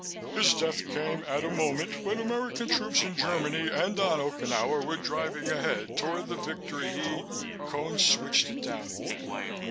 His death came at a moment when American troops in Germany and on Okinawa were driving ahead toward the victory he " Cone switched it down again.